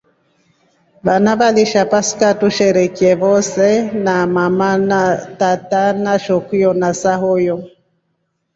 Wana walisha pasaka tusherekee wose na mama na tata na shokuyo na sayo.